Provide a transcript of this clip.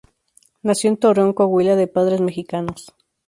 Nació en Torreón, Coahuila de padres mexicanos.